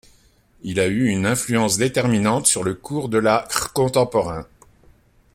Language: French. Il a eu une influence déterminante sur le cours de l'art contemporain.